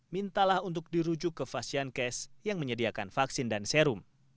mintalah untuk dirujuk ke vaksin cash yang menyediakan vaksin dan serum